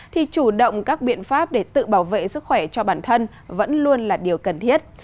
thì chủ động các biện pháp để tự bảo vệ sức khỏe cho bản thân vẫn luôn là điều cần thiết